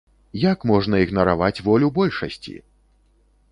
Як можна ігнараваць волю большасці!